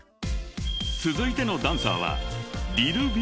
［続いてのダンサーは］